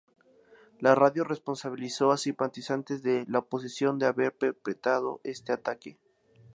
La radio responsabilizó a simpatizantes de la oposición de haber perpetrado este ataque.